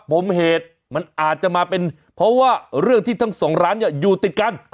ปมเหตุมันอาจจะมาเป็นเพราะว่าเรื่องที่ทั้งสองร้านอยู่ติดกัน